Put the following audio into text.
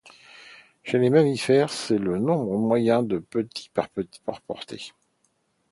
Chez les mammifères, c'est le nombre moyen de petits par portée.